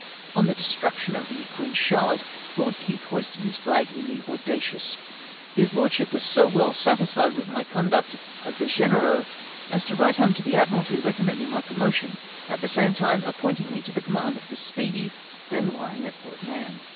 On the destruction of the Queen Charlotte Lord Keith hoisted his flag in the Audacious. His lordship was so well satisfied with my conduct of the Genereux as to write home to the Admiralty recommending my pro motion, at the same time appointing me to the command of the Speedy, tHen lying at Port Mahon.